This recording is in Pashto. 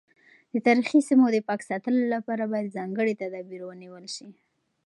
د تاریخي سیمو د پاک ساتلو لپاره باید ځانګړي تدابیر ونیول شي.